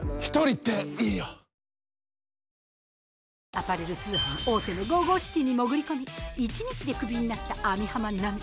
アパレル通販大手のＧＯＧＯＣＩＴＹに潜り込み１日でクビになった網浜奈美。